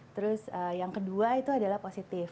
terus yang kedua itu adalah positif